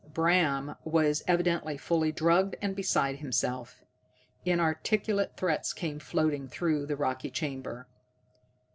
Bram was evidently fully drugged and beside himself. Inarticulate threats came floating through the rocky chamber.